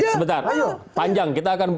sebenar panjang kita akan